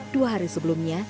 dua hari sebelumnya